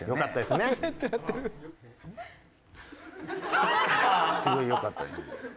すごいよかったよね。